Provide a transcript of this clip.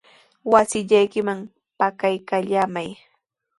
Wasillaykiman pakaykallamay.